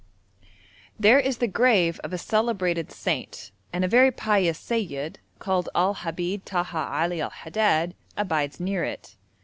There is the grave of a celebrated saint, and a very pious seyyid, called Al Habid Taha Ali al Hadad, abides near it.